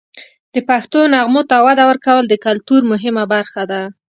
د پښتو نغمو ته وده ورکول د کلتور مهمه برخه ده.